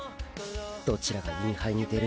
どちらがインハイに出るのか。